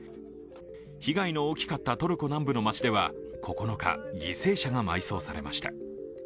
被害の大きかったトルコ南部の街では９日、犠牲者が埋葬されました。